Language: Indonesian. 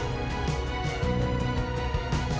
nah kemudian kita bisa lihat